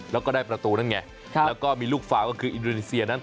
แล้วก็ได้ประตูนั่นไงแล้วก็มีลูกฟาวก็คืออินโดนีเซียนั้น